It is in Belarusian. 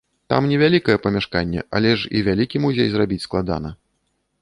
Там невялікае памяшканне, але ж і вялікі музей зрабіць складана.